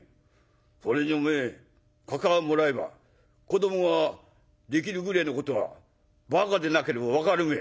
それにおめえかかあもらえば子どもができるぐれえのことはばかでなければ分かるべえ。